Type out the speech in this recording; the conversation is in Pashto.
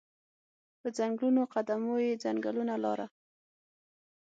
په ځنګولو قدمو یې ځنګوله لاره